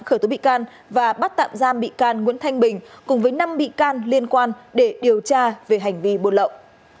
khởi tố bị can và bắt tạm giam bị can nguyễn thanh bình cùng với năm bị can liên quan để điều tra về hành vi buôn lậu